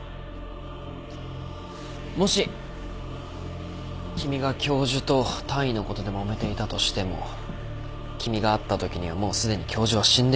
もし君が教授と単位のことでもめていたとしても君が会ったときにはもうすでに教授は死んでいたんだよね。